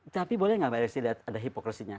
tapi boleh gak mbak desi lihat ada hipokresinya